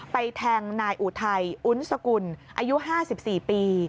แทงนายอุทัยอุ้นสกุลอายุ๕๔ปี